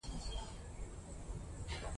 څنګه پردی سوم له هغي خاوري